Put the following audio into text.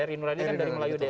eri nurani kan dari melayu